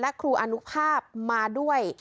และครูอนุภาพมาด้วย